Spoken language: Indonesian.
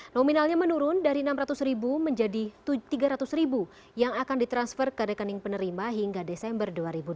nominalnya menurun dari enam ratus menjadi rp tiga ratus yang akan ditransfer ke rekening penerima hingga desember dua ribu dua puluh